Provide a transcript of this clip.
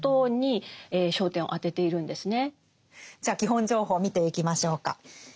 じゃあ基本情報を見ていきましょうか。